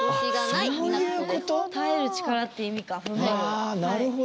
あなるほど。